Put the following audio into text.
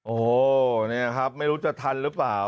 โอ้โหนี่ครับไม่รู้จะทันหรือเปล่า